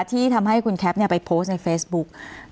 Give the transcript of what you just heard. ที่ทำให้คุณแคปไปโพสต์ในเฟซบุ๊ก